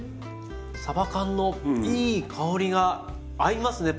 さば缶のいい香りが合いますね